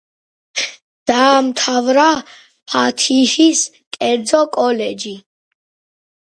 დაამთავრა ფათიჰის კერძო კოლეჯი.